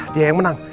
dia yang menang